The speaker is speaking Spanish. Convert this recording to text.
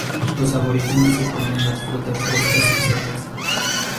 Los aborígenes se comen las frutas frescas y secas.